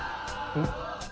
うん？